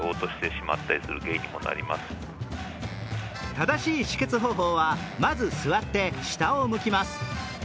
正しい止血方法は、まず座って下を向きます。